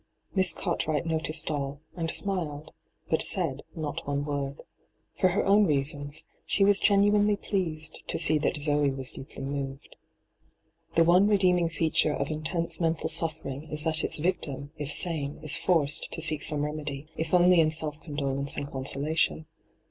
Miss Cartwright noticed all, and smiled, but aatd not one word. For her own reasons, she was genuinely pleased to see that Zee was deeply moved. The one redeemii^ feature of intense mental hyGoogIc 224 ENTRAPPED Boffering is that ita victim, if sane, is forced to seek some remedy, if only in self condolenoe and conaolation.